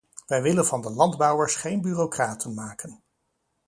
Wij willen van de landbouwers geen bureaucraten maken.